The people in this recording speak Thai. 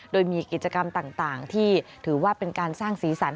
โดยมีกิจกรรมต่างที่ถือว่าเป็นการสร้างสีสัน